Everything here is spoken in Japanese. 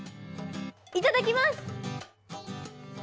いただきます。